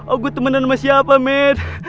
ogut temenan sama siapa med